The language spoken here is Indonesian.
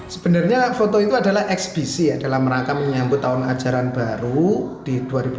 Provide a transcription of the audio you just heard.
sebenarnya foto itu adalah eksbisi adalah merangkang menyambut tahun ajaran baru di dua ribu dua puluh tiga dua ribu dua puluh empat